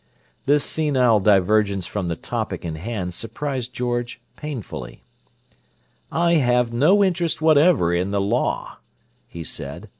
This senile divergence from the topic in hand surprised George painfully. "I have no interest whatever in the law," he said.